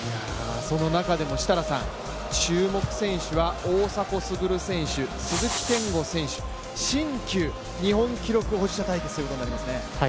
その中でも注目選手は大迫傑選手、鈴木健吾選手新旧日本記録保持者対決ということになりますね。